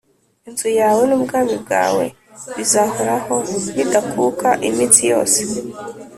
Inzu yawe n’ubwami bwawe bizahoraho bidakuka iminsi yose